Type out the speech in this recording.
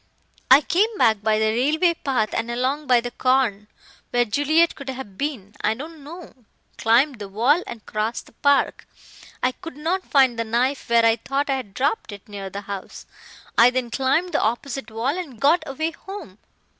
"I came back by the railway path, and along by the corn. Where Juliet could have been, I don't know. I climbed the wall and crossed the park. I could not find the knife where I thought I had dropped it, near the house. I then climbed the opposite wall and got away home.